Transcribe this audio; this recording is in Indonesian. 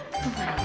nanti aku jalan